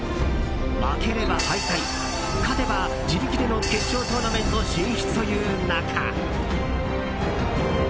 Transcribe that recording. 負ければ敗退勝てば自力での決勝トーナメント進出という中。